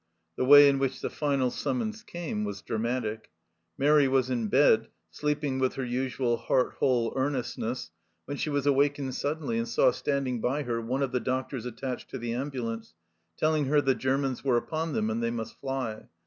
The way in which the final summons came was dramatic. Mairi was in bed, sleeping with her usual heart whole earnest ness, when she was awakened suddenly, and saw standing by her one of the doctors attached to the ambulance, telling her the Germans were upon them and they must fly.